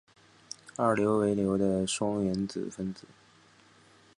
二硫为硫的双原子分子。